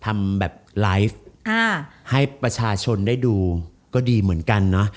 ทำแบบไลฟ์ให้ประชาชนได้ดูก็ดีเหมือนกันเนอะ